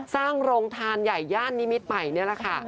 สร้างโรงทานใหญ่ย่านนิมิตรใหม่นี่แหละค่ะ